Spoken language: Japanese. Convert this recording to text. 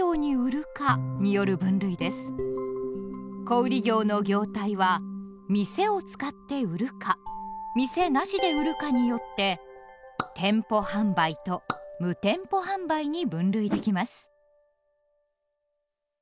小売業の業態は店を使って売るか店なしで売るかによって「店舗販売」と「無店舗販売」に分類できます。